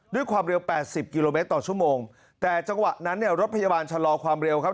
ด้วยความเร็วแปดสิบกิโลเมตรต่อชั่วโมงแต่จังหวะนั้นเนี่ยรถพยาบาลชะลอความเร็วครับ